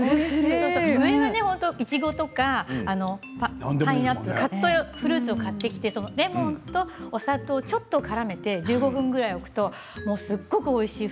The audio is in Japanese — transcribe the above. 上はいちごとかパイナップルとかカットフルーツを買ってきてレモンとお砂糖をちょっとからめて１５分ぐらい置くとすごくおいしい。